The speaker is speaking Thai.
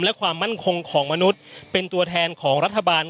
และความมั่นคงของมนุษย์เป็นตัวแทนของรัฐบาล